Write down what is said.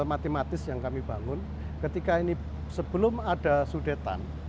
matematis yang kami bangun ketika ini sebelum ada sudetan